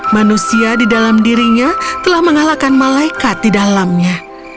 manusia di dalam dirinya telah mengalahkan malaikat di dalamnya